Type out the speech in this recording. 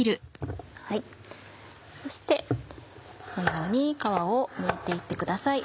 そしてこのように皮をむいて行ってください。